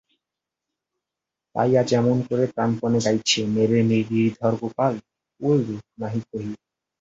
তাই আজ এমন করে প্রাণপণে গাইছে, মেরে গিরিধর গোপাল, ঔর নাহি কোহি।